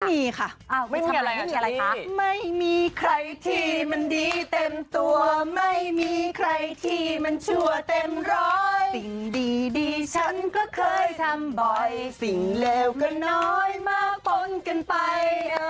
นี่ค่ะไม่มีใครที่มันดีเต็มตัวไม่มีใครที่มันชั่วเต็มร้อยสิ่งดีฉันก็เคยทำบ่อยสิ่งเลวก็น้อยมาปนกันไป